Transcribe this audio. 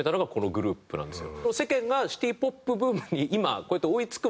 グループなんですよ。